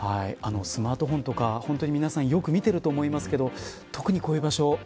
スマートフォンとか皆さんよく見てると思いますけど特に、こういう場所。